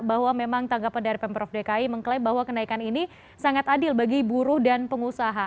bahwa memang tanggapan dari pemprov dki mengklaim bahwa kenaikan ini sangat adil bagi buruh dan pengusaha